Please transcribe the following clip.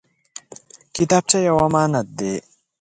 کتابچه یو امانت دی